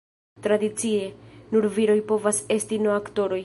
Tradicie, nur viroj povas esti no-aktoroj.